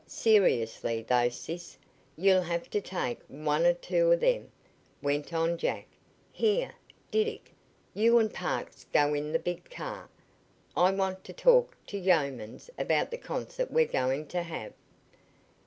"Seriously, though, sis, you'll have to take one or two of 'em," went on Jack. "Here, Diddick, you and Parks go in the big car. I want to talk to Youmans about the concert we're going to have."